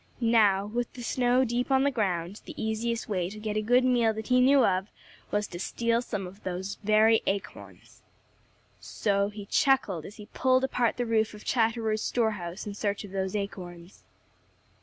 Now, with the snow deep on the ground, the easiest way to get a good meal that he knew of was to steal some of those very acorns. So he chuckled as he pulled apart the roof of Chatterer's store house in search of those acorns.